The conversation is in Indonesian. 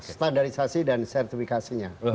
standarisasi dan sertifikasinya